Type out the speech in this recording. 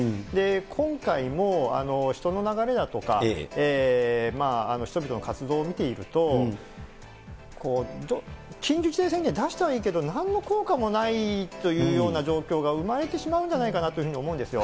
今回も人の流れだとか、人々の活動を見ていると、緊急事態宣言出したはいいけど、なんの効果もないというような状況が生まれてしまうんじゃないかなというふうに思うんですよ。